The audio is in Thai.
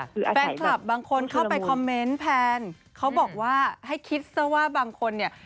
แฟนคลับบางคนเข้าไปคอมเมนต์แพนเขาบอกว่าให้คิดซะว่าบางคนเนี่ย